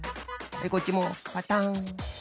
こっちもパタン。